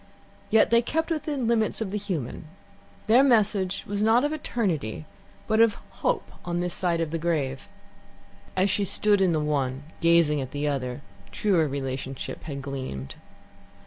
Yet they kept within limits of the human. Their message was not of eternity, but of hope on this side of the grave. As she stood in the one, gazing at the other, truer relationship had gleamed.